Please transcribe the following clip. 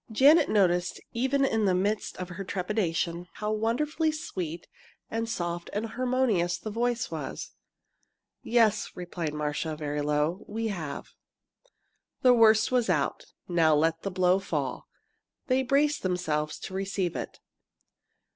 Janet noticed, even in the midst of her trepidation, how wonderfully sweet and soft and harmonious the voice was. "Yes," replied Marcia, very low, "we have." The worst was out now let the blow fall! They braced themselves to receive it.